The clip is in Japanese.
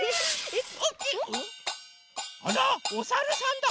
あらおさるさんだ！